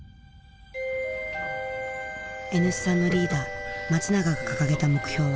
Ｎ産のリーダー松永が掲げた目標は。